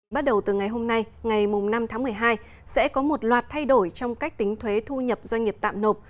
bắt đầu từ ngày hôm nay ngày năm tháng một mươi hai sẽ có một loạt thay đổi trong cách tính thuế thu nhập doanh nghiệp tạm nộp